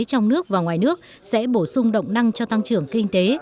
trong nước và ngoài nước sẽ bổ sung động năng cho tăng trưởng kinh tế